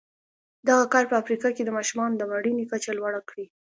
دغه کار په افریقا کې د ماشومانو د مړینې کچه لوړه کړې.